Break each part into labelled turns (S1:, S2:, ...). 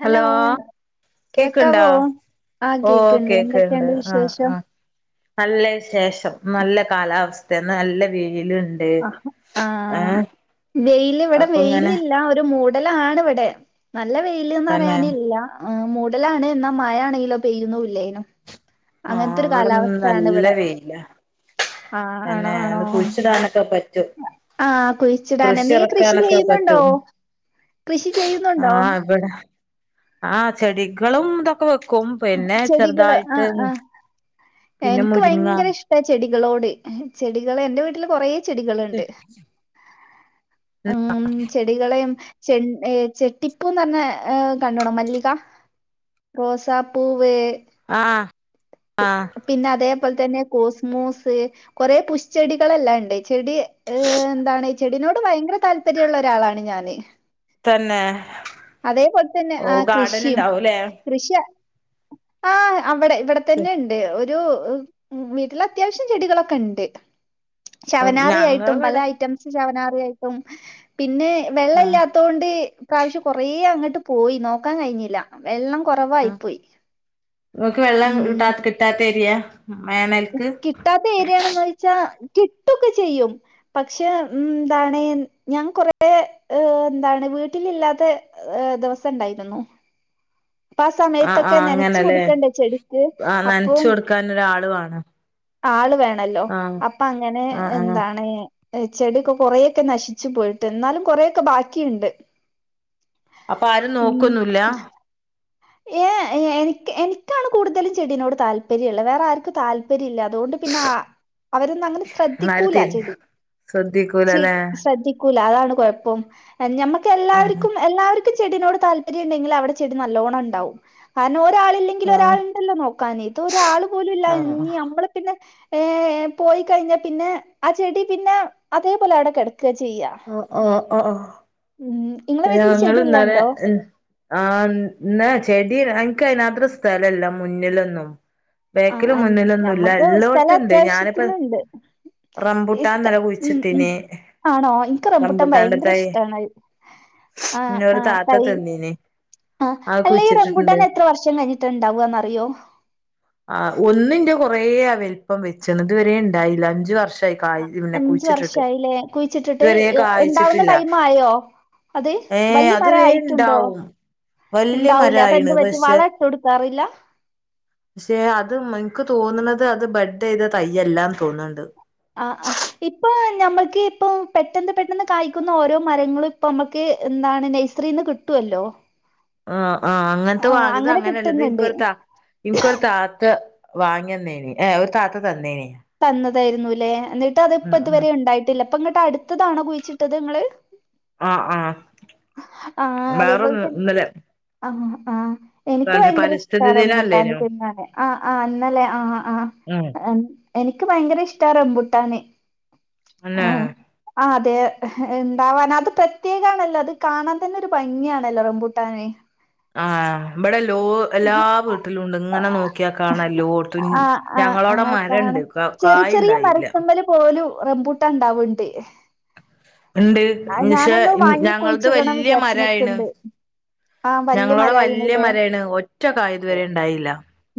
S1: Hello.
S2: കേക്ക്ണ്ടോ
S1: കേക്കാവോ ആഹ്
S2: ഓ
S1: കേക്കുണ്ട്,
S2: കേക്ക്ണ്ട്
S1: എന്തക്കെയുണ്ട്
S2: ആ
S1: വിശേഷം?
S2: ആ നല്ല വിശേഷം നല്ല കാലാവസ്ഥയിന്ന് നല്ല വെയിലു ണ്ട്
S1: ആഹ് ആഹ്
S2: ഏഹ്.
S1: വെയില് ഇവിടെ വെയിലില്ല ഒരു മൂടലാ ണിവിടെ നല്ല വെയില്ന്ന്
S2: തന്നെ
S1: പറയാനില്ല. ആഹ് മുടലാണ് എന്നാ മഴ ആണെങ്കിലോ പെയ്യുന്നൂല്ലേനു.
S2: ആ
S1: അങ്ങനെത്തെ ഒര്
S2: ഇവിടെന്ന് നല്ല
S1: കാലാവസ്ഥയാണിവിടെ.
S2: വെയില
S1: ആഹ് ആണോ
S2: തന്നെ
S1: ആണോ
S2: ഇന്ന് കുഴിച്ചിടാനൊക്കെ പറ്റും
S1: ആഹ് കുഴി ച്ചിടാനെന്തേ കൃഷി
S2: ഇറക്കാനൊക്കെ
S1: ചെയ്യുന്നൊണ്ടോ
S2: പറ്റും
S1: കൃഷി ചെയ്യുന്നൊണ്ടോ?
S2: ഇവിടെ. ആഹ് ചെടിക്കളും ഇതൊ ക്കെ വെക്കും പിന്നെ
S1: ചെടികള്
S2: ചെറുതായിട്ട്
S1: ആഹ് ആഹ്
S2: പിന്നെ മുരിങ്ങാ.
S1: ന്റെ ചെടികളോട് ചെടികള് എന്റെ വീട്ടില് കൊറേ ചെടികളുണ്ട്. ഉം ചെടികളേം. ചെട് ഏഹ് ചെട്ടിപ്പൂ എന്ന് പറഞ്ഞാ കണ്ടോണം മല്ലികാ, റോസാപ്പ് പൂവ്.
S2: ആഹ് ആഹ്.
S1: പിന്ന അതേപോൽ തന്നെ കോസ് മൂസ്. കൊറേ പുഷ്ച്ചെടികളെല്ലായിണ്ട് ചെടി ഏഹ് എന്താണ് ചെടിനോട് ഭയങ്കര താല് പര്യ ഉള്ള ഒരാളാണ് ഞാന്.
S2: തന്നേ.
S1: അതേപോൽ തന്നെ ആഹ് കൃഷിയും കൃഷിയ ആഹ് അവിടെ ഇവിടെത്തന്നെയിണ്ട് ഒര് രൂ വീട്ടില് അത്യാവശ്യം ചെടികളൊക്കെ ഉണ്ട്. ശവനാറിയായിട്ടും പല
S2: ഞങ്ങളിവിടെ
S1: ഐറ്റംസ് ശവനാറിയായിട്ടും പിന്നെ
S2: ആഹ്
S1: വെള്ളയില്ലാത് ട്ട് ഈ പ്രാവശ്യം കൊറേ അങ്ങട്ട് പോയി നോക്കാൻ കഴിഞ്ഞില്ല. വെള്ളം കൊറവായി
S2: ആഹ്
S1: പ്പോയി
S2: ഇങ്ങക്ക് വെള്ളം കിട്ടാ
S1: ഉം.
S2: കിട്ടാത്ത ഏര്യായാ. വേനൽ.
S1: കിട്ടാത്ത ഏരിയാണോന്ന് ചോയിച്ചാ കിട്ടു ഒക്കെ ചെയ്യും. പക്ഷേ ഉം എന്താണ് ഞാൻ കൊറേ ആഹ് എന്താണ് വീട്ടിലില്ലാത്തെ ഏഹ് ദെവസം ഉണ്ടായിരുന്നു. ആഹ് സമയത്തൊക്കെ
S2: ആഹ്
S1: നെനച്ച്
S2: അങ്ങനല്ലേ
S1: കൊടുക്കണ്ടേ ചെടിക്ക്
S2: ആഹ് നനച്ചു
S1: അപ്പോം.
S2: കൊടുക്കാൻ ഒരാള് വേണം
S1: ആള് വേണല്ലോ
S2: ആഹ്
S1: അപ്പ അങ്ങനെ
S2: ആഹ് ആഹ്
S1: എന്താണ്. ഏഹ ചെടിയൊക്കെ കൊറേ ഒക്കെ നശിച്ചു പോയിട്ടൊ എന്നാലും കുറേക്കെ ബാക്കിയുണ്ട്.
S2: അപ്പൊ ആരും നോക്കു ഒന്നു ഇല്ലാ?
S1: ഏഹ് എഹ് എനിക്ക് എനിക്കാണ് കൂടുതലും ചെടിനോട് താല്പര്യ ഉള്ളത് വേറെ ആർക്കും താല് ല്പര്യല്ല അതോണ്ട് പിന്നെ ആഹ് അവരൊന്നും അങ്ങനെ ശ്രദ്ധിക്കൂല ചെടി.
S2: ശ്രദ്ധിക്കൂല അല്ലേ.
S1: ക്കൂലാ അതാണ്കൊഴപ്പം ഞമ്മക്ക്
S2: ആഹ്
S1: എല്ലാവർക്കും എല്ലാവക്കർ ക്ക് ചെടിനോട് താല്പര്യമുണ്ടെങ്കില് അവിടെ ചെടി നല്ലോണണ്ടാവും കാരണം ഒരാള് ഇല്ലെയ്
S2: ആഹ്
S1: ങ്കിലൊരാളുണ്ടല്ലോ നോക്കാന് ഇതൊരാള് പോലും ഇല്ല
S2: ആഹ്
S1: ഇനി നമ്മള് പിന്നെ ഏഹ് പോയികഴിഞ്ഞാ പിന്നെ ആഹ് ചെടിപിന്നെ അതേപോലെഅവിടെ കെടക്കാ ചെയ്യാ.
S2: ആഹ് ആഹ് ആ ആഹ്
S1: ഉം നിങ്ങളെ വീട്ടില് ചെടി
S2: ഞങ്ങള്
S1: എല്ലാം
S2: ഇന്നലെ
S1: ഉണ്ടോ
S2: ഉം. ആഹ് എന്നാ ചെടി എനിക്ക് ആയി നുമാത്ര സ്ഥലം ഇല്ലല്ല മുന്നിലൊന്നും.
S1: ആ
S2: ബേക്കിലും
S1: അൻ-
S2: മുന്നിലൊന്നുല്ല
S1: ഞമ്മക്ക് സ്ഥലം
S2: ഇല്ലോട്ത്ത്ണ്ട് ഞാനിപ്പോ
S1: അത്യാവശ്യത്തിനുണ്ട് ഇഷ്ട
S2: റംമ്പുട്ടാന്നെല്ലെ
S1: ഉം ഉം
S2: കുഴിച്ചിട്ടീന്
S1: ആണോ ഇനിക്ക് റംപുട്ടാൻ
S2: റംബൂട്ടാന്റെ തൈ
S1: ഭയങ്കരഷ്ടാണഹ് ആഹ്
S2: ഇന്നോരു
S1: ആഹ്
S2: താത്ത
S1: തൈ
S2: തന്നീന്
S1: ആഹ്
S2: അത്
S1: അല്ല ഈ
S2: കുഴിച്ചിട്ടിട്ടുണ്ട്
S1: റംബുട്ടാനെത്ര വർഷം കഴിഞ്ഞിട്ടാണ്ടാവാന്നറിയോ
S2: ആഹ് ഒന്നിന്റെ കൊറേ ആഹ് വെല്പം വെച്ച് ഇത് വരെണ്ടായില്ല അഞ്ചു വർഷം
S1: ഉം അഞ്ച് വർഷായിലേ കുഴിച്ചിട്ടിട്ട്
S2: ഇതുവരെ
S1: ഇണ്ടാവ്ണ
S2: കായ്ച്ചിട്ടില്ല
S1: ടൈംമായോ ഇത്
S2: ഏ
S1: വല്ലൃ
S2: അത് വേം
S1: മരായിട്ടുണ്ടോ
S2: ഇണ്ടാവും വല്യ
S1: ഇണ്ടാവൂലാ
S2: മരായിണ്
S1: അപ്പൊന്തെപറ്റി
S2: പക്ഷെ
S1: വളട്ടൊട്ക്കാറില്ല
S2: ക്ഷേ അത് മൻക്ക് തോന്നുന്നത് അത് ബെഡ്ഡയ്ത തയ്യല്ലാ തോന്ന്ണ്ട്
S1: ആഹ് ആഹ് ഇപ്പൊ ഞമ്മക്ക് ഇപ്പൊ പെട്ടെന്ന് പെട്ടെന്ന് കായ്ക്കുന്ന ഓരോ മരങ്ങളും പ്പമ്മക്ക് എന്താണ് നൈസ് ത്രീന്ന് കിട്ടൊല്ലോ
S2: ആഹ് ആഹ് അങ്ങൻത്തെ വാങ്ങിത്
S1: അങ്ങനെ
S2: ഇതങ്ങനല്ല
S1: കിട്ടുന്നുണ്ട്
S2: ഇതിൻക്കൊരു ത ഇനിക്കൊരു താത്ത വാങ്ങിയന്നേണ് ഏഹ് ഒരുതാത്ത തന്നേണ്
S1: തന്നതായിരുന്നുല്ലേ ന്ന്ട്ടത്പ്പ
S2: ഉം
S1: ഇതുവരെണ്ടായിട്ടില്ല പ്പന്ന്ട്ടടുത്തതാണോ കുഴിച്ചിട്ടത് ങ്ങള്
S2: ആഹ് ആഹ്
S1: ആഹ് അതേപോലെ
S2: വേറൊന്ന്
S1: തന്നെ
S2: ഇന്നലെ
S1: ആഹ് ആഹ് എനിക്ക് ഭയങ്കര ഇഷ്ടാ
S2: പരിസ്ഥിതി ദിനം
S1: റമ്പൂട്ടാൻ
S2: അല്ലേനോ
S1: തിന്നാന് ആഹ് ആഹ് ഇന്നലെ ആഹ് ആഹ്
S2: ഉം
S1: അഹ് എനിക്ക് ഭയങ്കരഷ്ടാ റംബുട്ടാന്
S2: അന്നെ
S1: ആഹ് ആതെ ഉണ്ടാവാനത് പ്രത്യേക ആണല്ലോ അത് കാണാൻ തന്നെരു ഭംഗിയാണല്ലോ റംബൂട്ടാന്
S2: ആഹ് ഇവിടെല്ലോ എല്ലാ വീട്ടിലുണ്ട് ഇങ്ങനെ നോക്കിയാ കാണാല്ലോത്
S1: ആഹ് ആഹ്
S2: ഞങ്ങളോടെ
S1: ആഹ്
S2: മരണ്ട് ക കായിണ്ടായില്ല
S1: ഓലു റംമ്പൂട്ടാണ്ടാവ്ണ്ട്
S2: ഉണ്ട് എന്ന്ച്ച
S1: വാങ്ങി
S2: ഞങ്ങളത്
S1: കുഴിച്ചിടണം
S2: വല്യ
S1: വിചാരിച്ച്
S2: മരായിന്
S1: നിക്ക്ണ്ട് ആഹ് വല്യ
S2: ഞങ്ങളോടെ വലൃയ
S1: മരായിണ്ല്ലേ
S2: മരാണ് ഒറ്റക്കായിതുവരെ ഉണ്ടായില്ല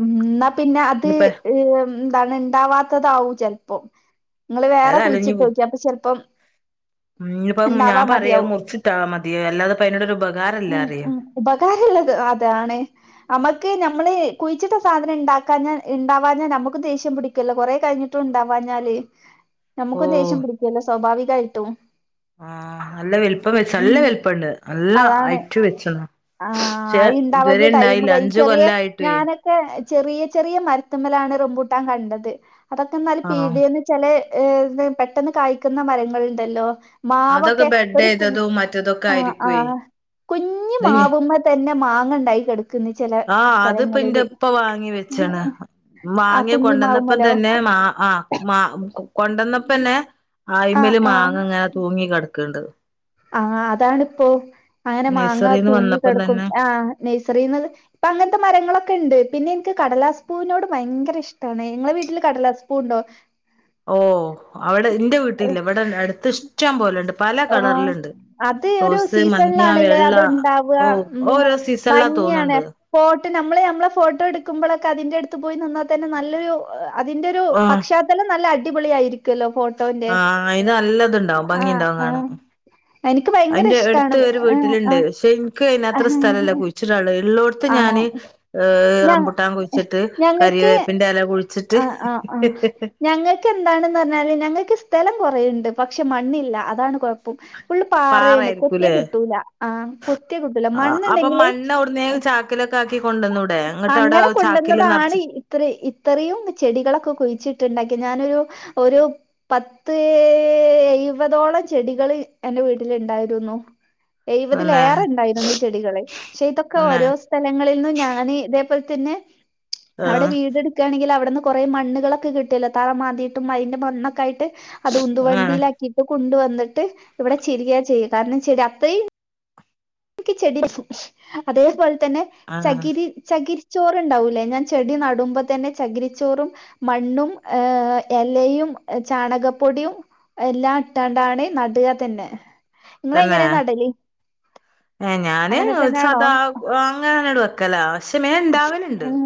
S1: ഉം ന്നാപിന്നെ അത്
S2: ഇനിപ്പ
S1: ഹ്മ് എന്താണ് ഇണ്ടാവാത്തതാവും ചെലൊപ്പോം ങ്ങള് വേറെ കുയിച്ചിട്ടോക്കിം അപ്പൊ ചെലപ്പം
S2: ഉം ഞിപ്പഞാൻ
S1: ഇണ്ടാവാൻ
S2: പറയാ
S1: മതിയാവും.
S2: മുറിച്ചിട്ടാ മതിയോ അല്ലാതെപ്പ അതിനോടൊരു ഉപകാരല്ലാറിയാ
S1: ഉപകാര മുള്ളത് അതാണ് നമ്മക്ക് നമ്മള് കുഴിച്ചിട്ട സാധനം ഇണ്ടാക്കാഞ ഇണ്ടാവാഞ്ഞാ നമ്മക്ക് ദേഷ്യം പിടി ക്കില്ല കൊറേ കഴിഞ്ഞിട്ടും ഇണ്ടാവാഞ്ഞാല് നമ്മക്കും
S2: ഓഹ്
S1: ദേഷ്യം പിടിക്കൊല്ലോ സ്വാഭാവികായിട്ട്
S2: ആഹ് നല്ല വെലുപ്പം വെച്ച് നല്ല വെലുപ്പണ്ട് നല്ല
S1: അതാണ്.
S2: ഹൈറ്റ് വെച്ചു
S1: ആഹ്
S2: ഷേ
S1: അയി
S2: ഇതുവരെണ്ടായില്ല അഞ്ചു കൊല്ലായിട്ടേ
S1: ക്കെ ചെറിയ ചെറിയ മരത്ത്മ്മലാണ് റംബൂട്ടാൻ കണ്ടത് അതൊക്കെ
S2: ആഹ്
S1: നൽപീടേന്ന് ചെലേ ഏ പെട്ടെന്ന് കായ്ക്കുന്ന മരങ്ങളുണ്ടല്ലോ
S2: അതൊക്കെ
S1: മാവൊക്കെ
S2: ബെഡ്
S1: ഒരുക്കു
S2: ചെയ്തതും മറ്റതൊക്കെ
S1: ആഹ്
S2: ആയിരിക്കുവേ
S1: ആഹ് കുഞ്ഞു
S2: ഇത്
S1: മാവുമ്മെതന്നെ മാങ്ങണ്ടായി കെടക്
S2: ആഹ് അത്പ്പൻ്റെപ്പ വാങ്ങി വെച്ചണ്
S1: ആഹ്
S2: വാങ്ങി
S1: കുഞ്ഞി
S2: കൊണ്ടുവന്നപ്പോ
S1: മാവുമ്മലോ
S2: തന്നെ മാ ആഹ് മാ കൊണ്ടന്നപ്പോ തന്നെ
S1: ആഹ്
S2: ആയുമേല്
S1: ആഹ്
S2: മാങ്ങ ഇങ്ങനെ തൂങ്ങി കിടക്കണ്ട്.
S1: ആഹ് അതാണിപ്പോ അങ്ങനെ മാങ്ങ
S2: നഴ്സറിന്ന്
S1: തൂങ്ങി
S2: വന്നപ്പം
S1: കിടക്കും.
S2: തന്നെ
S1: ആഹ് നെഴ്സറീന്ന് അത് ഇപ്പൊ അങ്ങനത്തെ മരങ്ങളൊക്കെ ഉണ്ട് പിന്നെ എനിക്ക് കടലാസ്പൂവിനോട് ഭയങ്കര ഇഷ്ടാണ് ഇങ്ങളെ വീട്ടില് കടലാസ്പൂ ഉണ്ടോ
S2: ഓഹ് അവിടെ എൻ്റെ വീട്ടിലില്ല ഇവിടെ അടുത്ത് ടം പോലുണ്ട് പല
S1: ആഹ്
S2: കളറിലുണ്ട്.
S1: അത് ഒരു സീസണിലാണല്ലേ അത്
S2: ഓ
S1: ഉണ്ടാവാ
S2: ഓരോ സീസണിലാ
S1: ഭംഗിയാണ്.
S2: തോന്നുന്നുണ്ട്
S1: ഫോട്ടോ നമ്മള് നമ്മളെ ഫോട്ടോ എടുക്കുമ്പോളൊക്കെ അതിന്റെടുത്ത് പോയി നിന്നാൽ തന്നെ നല്ലൊരു അതിന്റെ ഒരു
S2: ഓ
S1: പശ്ചാത്തലം നല്ല അടിപൊളി ആയിരിക്കുവല്ലോ ഫോട്ടോന്റെ.
S2: ആ അയിന് നല്ല ഇതിണ്ടാവും
S1: ആഹ്
S2: ഭംഗിയുണ്ടാവും കാണാൻ
S1: ആഹ് എനിക്ക് ഭയങ്കര
S2: അതിന്റെ
S1: ഇഷ്ടാണ്
S2: അടുത്ത് ഒരു
S1: ആഹ്
S2: വീട്ടിലുണ്ട് പക്ഷെ എനിക്ക് അത്ര
S1: ആഹ്
S2: സ്ഥലല്ല കുഴിച്ചിടാനുള്ളത് ഉള്ളോ ത്ത്
S1: ആണോ
S2: ഞാന് ഈഹ്,
S1: ഞ
S2: റംമ്പൂട്ടാൻ കുയിച്ചിട്ട്
S1: ഞങ്ങൾക്ക്
S2: കറിവേപ്പിന്റെ എല കുഴിച്ചി
S1: ആഹ് ആഹ് ആഹ് ഞങ്ങ ക്കെന്താണ്ന്ന് പറഞ്ഞാല് ഞങ്ങൾക്ക് സ്ഥലം കൊറേയ്ണ്ട്, പക്ഷെ മണ്ണില്ല. അതാണ് കൊഴ പ്പം. ഫുളള് പാറയാണ്, കൊത്തിയാ
S2: പാറായിരിക്കൂല്ലേ
S1: കിട്ടൂല, ആഹ് കൊത്തിയാ കിട്ടൂല. മണ്ണ്ണ്ടെങ്കില്
S2: ക്കിലൊക്കെ ആക്കി കൊണ്ടുവന്നൂടെ. എന്നിട്ടവിടെ ചാക്കില്
S1: കൊണ്ടുവന്നതാണ്
S2: നെറച്ച്
S1: ഇത്ര ഇത്രയും ചെടികളൊക്കെ കുഴിച്ചിട്ടുണ്ടാക്കി ഞാനൊരു ഒരു പത്ത് എയുവതോളം ചെടികള് എൻ്റെ വീട്ടില്ണ്ടായിരുന്നു.
S2: തന്നെ
S1: എയുവതിലേറെ ഇണ്ടായിരുന്നു ചെടികള്. പശ്ശെ ഇതൊക്കെ
S2: തന്നെ
S1: ഓരോ സ്ഥലങ്ങളില് നിന്നും ഞാന് ഇതേപോലെ തന്നെ
S2: ആ
S1: അവിടെ വീടെട്ത്ത് നിക്കാണെങ്കില് അവിടുന്ന് കുറെ മണ്ണുകളൊക്കെ കിട്ടുവല്ലോ തറ മാന്തീട്ടും അയിന്റെ മണ്ണൊക്കെയായിട്ട്. അത് ഉന്തു
S2: ആ
S1: വണ്ടിയിലാക്കിയിട്ട് കൊണ്ടു വന്നിട്ട് ഇവിടെ ചരികാ ചെയ്യ. കാരണം ചെടി അത്രയും എനിക്ക്‌ ചെടി [inaudible] അതേപോലെ തന്നെ
S2: ആ
S1: ചകിരി ചകിരിച്ചോറുണ്ടാവൂലേ? ഞാൻ ചെടി നടുമ്പോ തന്നെ ചകിരിച്ചോറും മണ്ണും ഈഹ് എലയും ചാണകപ്പൊടിയും എല്ലാ ഇട്ടാണ്ടാണ് നട്ക തന്നെ.
S2: തന്നേ?
S1: നിങ്ങളെങ്ങനെയാ നടല്
S2: ഏഹ് ഞാന്
S1: അങ്ങനെ തന്നെയാണോ
S2: സധാ അങ്ങനെ തന്നെ ഇടു. അ ക്കലാ പശ്ശെ വേഗം ഇണ്ടാവലുണ്ട്.
S1: ഉം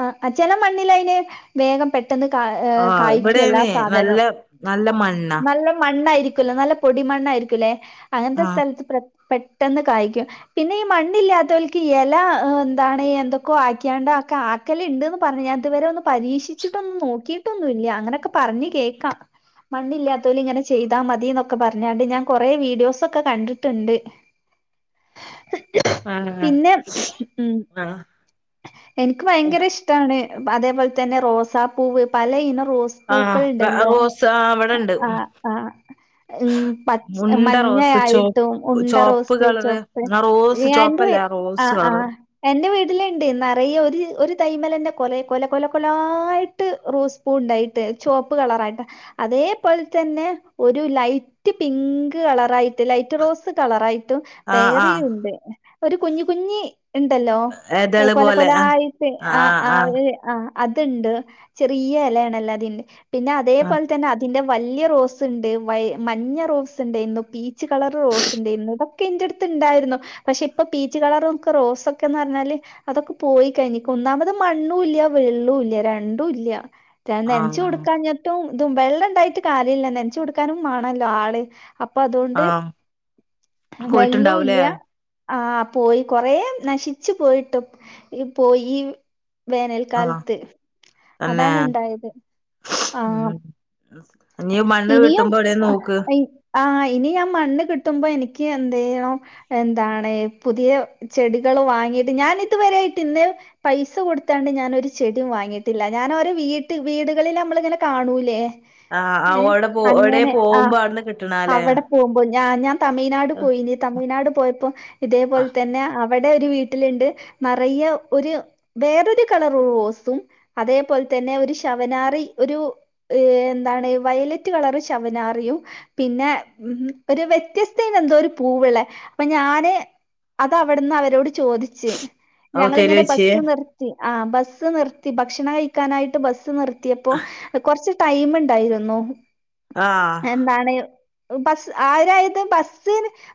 S1: ആഹ് ചെല മണ്ണിലയിന് വേഗം പെട്ട് ട്ടെന്ന് കാ ഏഹ്
S2: ആഹ്
S1: കായ്ക്കും എല്ലാ
S2: ഇവിടെന്നെ നല്ല
S1: സാധനം.
S2: നല്ല മണ്ണാ
S1: നല്ല മണ്ണായിരിക്കല്ലോ. നല്ല പൊടിമണ്ണായിരിക്കൂല്ലെ. അങ്ങനത്തെ
S2: ആഹ്
S1: സ്ഥലത്ത് പ്ര പെ ട്ടെന്ന് കായ്ക്കും. പിന്നെ ഈ മണ്ണില്ലാത്തോൽക്ക് എല എന്താണ് എ ന്തൊക്കോ ആക്കിയാണ്ട ആക്കല്ണ്ട്ന്ന് പറഞ്ഞ്. ഞാൻ ഇതുവരെ ഒന്ന് പരീക്ഷിച്ചിട്ടൊന്നു നോക്കി യിട്ടൊന്നു ഇല്ല. അങ്ങനെയൊക്കെ പറഞ്ഞ് കേൾക്കാ. മണ്ണില്ലാത്തോല് ഇങ്ങനെ ചെയ്താ മതീന്നൊക്കെ പറഞ്ഞാണ്ട് ഞാൻ കൊറേ വീഡിയോസൊക്കെ കണ്ടിട്ട്ണ്ട്.
S2: ആഹ്
S1: പിന്നെ ഉം.
S2: ആഹ്
S1: എനിക്ക് ഭയങ്കര ഇഷ്ടാണ്. അതേപോലെ തന്നെ റോസാപ്പൂവ് പല ഇനം റോസ്
S2: ആഹ്
S1: പൂക്കൾ ഇണ്ടല്ലോ?
S2: റോസ് ആ ഇവിടെണ്ട്
S1: ആഹ് ആഹ് ഉം പച്
S2: ഉണ്ട റോസ്
S1: മഞ്ഞയായി
S2: ചോ
S1: ട്ടും ഉണ്ട
S2: ചോപ്പ്
S1: റോസ്,
S2: കളറ്
S1: ചോപ്പ്.
S2: ആ റോസ്
S1: ഞാ എൻ്റെ
S2: ചോപ്പല്ല റോസ്
S1: ആഹ് ആഹ്
S2: കളറ്
S1: എന്റെ വീട്ടില് ണ്ട് നെറയെ ഒര് ഒരു തൈമ്മലന്നെ കൊലെ കൊല കൊല കൊലായിട്ട് റോസ് പൂ ഇണ്ടായിട്ട്. ചുവപ്പ് കളറായിട്ട്. അതേപോലെ തന്നെ ഒരു ലൈ റ്റ് പിങ്ക് കളറായിട്ട്. ലൈറ്റ് റോസ് കളറായി ട്ട്
S2: ആഹ് ആഹ്
S1: വേറെയുണ്ട്. ഒരു കുഞ്ഞി കുഞ്ഞി ഇണ്ടല്ലോ?
S2: എതള്
S1: കൊല
S2: പോലെ ആഹ്
S1: കൊലായിട്ട് ആഹ് ആഹ് ആഹ് അത്ണ്ട്. ചെറിയ എലയാണല്ല അതിന്ന്. പിന്നെ
S2: ആഹ്
S1: അതേപോലെ തന്നെ ഇതിന്റെ വല്യ റോസ്ണ്ട്. വൈ മഞ്ഞ റോസ്ണ്ടേയിരുന്നു. Peach colour റോസ്ണ്ടേയിരുന്നു. ഇതൊ ഒക്കെ എന്റടുത്ത്ണ്ടായിരുന്നു.. പക്ഷെ ഇപ്പൊ പീച്ച് കളർ ഒക്കെ റോസ് ഒക്കെന്ന് പറഞ്ഞാല് അതൊക്കെ പോയി കഴിഞ്ഞിക്ക്. ഒന്നാമത് മണ്ണൂല്ല വെള്ളൂല്ല രണ്ടൂല്ല. ട്ടാ നൻച്ചു
S2: ആഹ് ആഹ്
S1: കൊടുക്കാഞ്ഞിട്ടും ഇതും. വെള്ളംണ്ടായിട്ട് കാര്യല്ല നെൻച്ച് കൊട്ക്കാനും മാണല്ലോ ആള്. അപ്പൊ അതോണ്ട്,
S2: ആഹ് പോയിട്ടുണ്ടാവൂലേ
S1: വെള്ളൂല്ല ആ പോയി കൊറേ നശിച്ച് പോയിട്ടും പോയി ഈ
S2: ആഹ്
S1: വേനൽകാലത്ത്.
S2: തന്നെ
S1: അതാണ് ഇണ്ടായത് ആഹ്.
S2: ഇഞ്ഞി മണ്ണ്
S1: ഇനിയും
S2: കിട്ടുമ്പോ ഏടെയെങ്കിലും
S1: അഹ്
S2: നോക്ക്.
S1: ഇ ആഹ് ഇനി ഞാൻ മണ്ണ് കിട്ടുമ്പോ എനിക്ക് എന്തെയ്യൂ എന്താണ് പുതിയ ചെടികള് വാങ്ങിയിട്ട് ഞാൻ ഇതുവരെയായിട്ട് ഇന്നേ പൈസ കൊട്ത്താണ്ട് ഞാനൊരു ചെടീം വാങ്ങീട്ടില്ല. ഞാനോരോ വീട്ടി വീട്കളില് നമ്മളിങ്ങനെ കാണൂലേ?
S2: ആഹ്
S1: ഏഹ്
S2: ഓടെ പോ ഏടെയേ പോവ്മ്പോ ആട്ന്ന് കിട്ടണാല്ലേ?
S1: പോവ്മ്പോൾ ഞാ ഞാൻ തമിഴ്നാട് പോയിനി. തമിഴ്നാട് പോയപ്പോ ഇതേപോൽ തന്നെ അ അവടെ ഒരു വീട്ടില്ണ്ട് നെറയെ ഒര് വേറൊരു കളറ് റോസും അതേപോൽ തന്നെ ഒരു ശവനാറി ഒരു ഏഹ് ന്താണ് വയലറ്റ് കളർ ശവനാറിയും പിന്നെ ഉം ഒരു വ്യത്യസ്തേനന്തോരു പൂവ്ള്ളേ അപ്പ ഞാന് അതവിട്ന്ന് അവരോട് ചോദിച്ച്
S2: ഓ
S1: ഞങ്ങളിങ്ങനെ
S2: തരുവച്ചി
S1: ബസ്സ് നിർ ത്തി, ആഹ് ബസ്സ് നിർത്തി, ഭക്ഷണം കഴിക്കാനായിട്ട് ബസ്സ് നിർത്തിയപ്പോ കൊർച്ച് ടൈമ് ണ്ടായിരുന്നു
S2: ആഹ്
S1: എന്താണ് ബസ് ആരായത് ബസ്സ്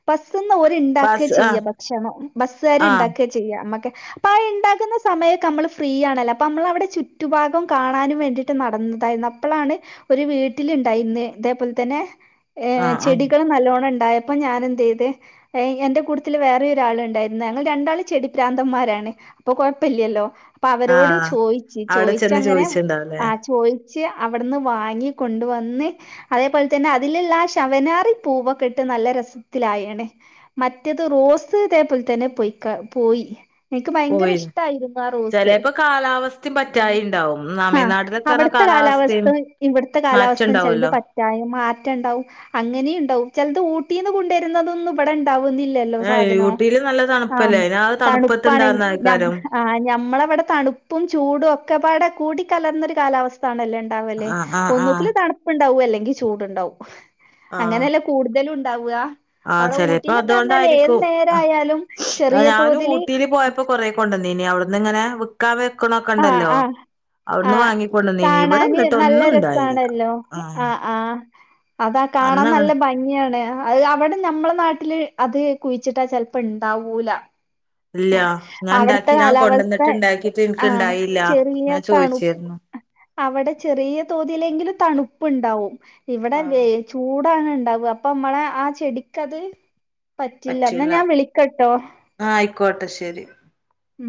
S1: ബസ്ന്ന് ഓര് ഇണ്ടാക്ക
S2: ബസ്
S1: ചെയ്യാ
S2: ആഹ്
S1: ഭക്ഷണം ബസ്സാര്
S2: ആഹ്
S1: ണ്ടാക്ക ചെയ്യാ മ്മക്കെ അപ്പാ ആ ഇണ്ടാകുന്ന സമയൊക്കെ അമ്മള് ഫ്രീ ആണല്ലോ അപ്പ അമ്മളവടെ ചുറ്റു ഭാഗം കാണാനും വേണ്ടിട്ട് നടന്നതായിന്ന് അപ്പളാണ് ഒരു വീട്ടില് ണ്ടായിന്ന് ഇതേപോൽ തന്നെ
S2: ആഹ് ആഹ്
S1: ചെടികളും നല്ലോണം ണ്ടായ പ്പൊ ഞാനെന്തെയ്ത് എന്റെ കൂട്ടത്തിൽ വേറെ ഒരാൾ ഉണ്ടായിര്ന്നു, ഞങ്ങൾ രണ്ടാള് ചെടി പ്രാന്തന്മാരാണ് അപ്പൊ കൊഴപ്പില്ലല്ലോ, അപ്പവരോട്
S2: ആഹ്
S1: ചോയിച്ച്,
S2: അവിടെ ചെന്ന്
S1: ചോയിച്ചങ്ങനെ
S2: ചോദിച്ചിണ്ടാവല്ലേ
S1: ആഹ് ചോയി ച്ച് അവിടന്ന് വാങ്ങി കൊണ്ട് വന്ന് അതേപോൽ തന്നെ അതില്ള്ള ആ ശവനാറി പൂവൊക്കെ ഇട്ട് നല്ല രസത്തിലായിണ് മറ്റേത് റോസ് ഇതേപോൽ തന്നെ പോയ്ക്ക പോയി ൻക്ക് ഭയങ്കര
S2: പോയി
S1: ഇഷ്ട്ടായിരുന്നു ആ റോസ്
S2: ചിലപ്പോ കാലാവസ്ഥയും പറ്റായിണ്ടാവും
S1: ആഹ്
S2: തമിഴ്നാട്ടിലൊക്കെ പറഞ്ഞ
S1: അവട്ത്തെ
S2: കാലാവസ്ഥയും
S1: കാലാവസ്ഥ ഇവട്ത്തെ
S2: മാറ്റം
S1: കാലാവസ്ഥ ചെൽത്
S2: ഉണ്ടാവല്ലോ
S1: പ റ്റയ് മാറ്റണ്ടാവും അങ്ങനീണ്ടാവും ചെൽത് ഊട്ടീന്ന് കുണ്ടേരുന്നതൊന്നും ഇവടെ ണ്ടാവുന്നി ലല്ലോ
S2: ഏഹ്
S1: സാധനോം
S2: ഊട്ടിയില് നല്ല തണുപ്പല്ലേ
S1: ആഹ്
S2: അയിന് ആ
S1: തണുപ്പാണ്
S2: തണുപ്പത്തുണ്ടാവുന്ന ആൾക്കാരും
S1: ആഹ് ഞമ്മളവടെ തണു പ്പും ചൂടും ഒക്കെ പാടെ കൂടി കലർന്നൊരു കാലാവസ്ഥാണല്ലോ ണ്ടാവല്
S2: ആഹ് ആഹ് ആഹ്
S1: ഒന്നുകില് തൺപ്പ്ണ്ടാവും അല്ലെങ്കി ചൂട്ണ്ടാവും
S2: ആഹ്
S1: അങ്ങനെല്ലേ കൂട്തലുണ്ടാവുക.
S2: ആഹ്
S1: അവ്ടെ
S2: ചിലപ്പോ
S1: ഊട്ടിലൊക്കെർഞ്ഞാലേ ഏത്
S2: അതുകൊണ്ടായിരിക്കും
S1: നേരായാലും ചെറിയ തോതില്
S2: ഇപ്പൊ കൊറേ കൊണ്ടന്നീനീ അവിട്ന്ന്ങ്ങനെ വിക്കാൻ
S1: ആഹ്
S2: വെക്കണോക്കെണ്ടല്ലോ
S1: ആഹ്
S2: അവ്ട്ന്ന്
S1: ആഹ്
S2: വാങ്ങിക്കൊണ്ടന്നീനി ഇവിടെ
S1: കാണാന് നല്ല
S2: ന്നിട്ടൊന്നുണ്ടായില്ല
S1: രസാണല്ലോ
S2: ആഹ്
S1: അതാ കാണാൻ
S2: അന്നങ്ങനെ
S1: നല്ല ഭ ഗിയാണ് അത് അവടെ നമ്മളെ നാട്ട്ല് അത് കുഴിച്ച്ട്ടാ ചെൽപ്പോണ്ടാവൂല.
S2: ഇല്ല ഞാണ്ടാക്കി
S1: കാലാവസ്ഥ
S2: ഞാകൊണ്ടന്നിട്ട് ണ്ടാക്കിട്ട് ൻക്ക് ണ്ടായില്ല ഞാൻ ചോയ്ച്ചിര്ന്നു.
S1: അവടെ ചെറിയ തോതിലെങ്കിലും തണുപ്പുണ്ടാവും ഇവടെ വെ
S2: ആഹ്
S1: ചൂടാണ് ണ്ടാവുക പ്പമ്മളെ ആ ചെടിക്കത് പറ്റില്ല ന്നാ
S2: പറ്റൂല
S1: ഞാൻ വിളിക്കാട്ടോ
S2: ആഹ് ആയിക്കോട്ടെ ശരി
S1: ഉം